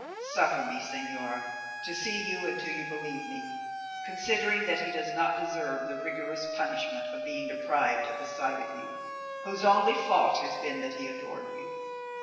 Suffer me, señora, to see you until you believe me, considering that he does not deserve the rigorous punishment of being deprived of the sight of you, whose only fault has been that he adores you.